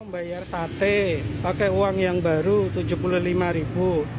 bayar sate pakai uang yang baru rp tujuh puluh lima ribu